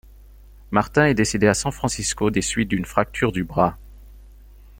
Martin est décédée à San Francisco des suites d'une fracture du bras.